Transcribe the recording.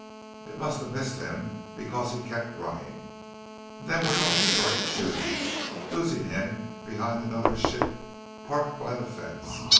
"It must of missed him because he kept running, and then we all started shooting, losing him behind another ship parked by the fence.